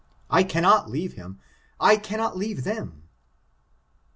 I cannot leave him —[ cannot leave them."